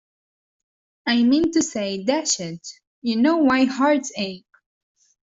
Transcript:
I mean to say — dash it, you know why hearts ache!